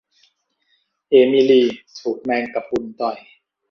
เอมิลีถูกแมงกะพรุนต่อย